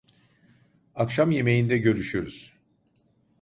Akşam yemeğinde görüşürüz.